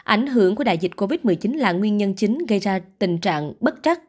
ảnh hưởng của đại dịch covid một mươi chín là nguyên nhân chính gây ra tình trạng bất chắc